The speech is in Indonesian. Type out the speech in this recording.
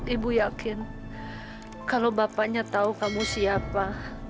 ibu yakin kalau bapaknya tahu kamu siapa